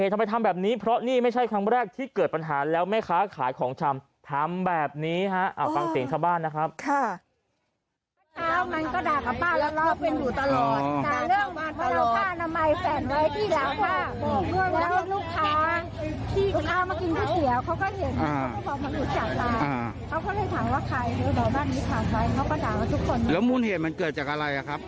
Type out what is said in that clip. ต่อขานเพราะไม่พอใจกับการกระทำของแม่ค้าขายของชำทำไมถึงทำแบบนี้นะฮ